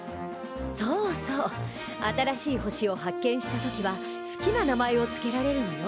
そうそう新しい星を発見した時は好きな名前を付けられるのよ！